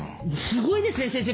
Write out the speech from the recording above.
すごいですね先生。